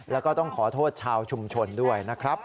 แล้วก็ต้องขอโทษชาวชุมชนด้วยนะครับ